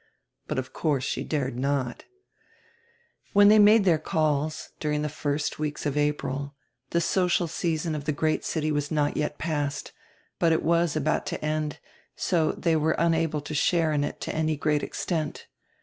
But, of course, she dared not When they made their calls, during die first weeks of April, tire social season of the great city was not yet past, but it was about to end, so they were unable to share in it to any great extent.